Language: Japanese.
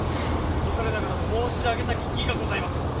恐れながら申し上げたき儀がございます！